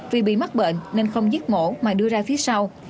vì bị mắc bệnh nên không giết mổ mà đưa ra phía sau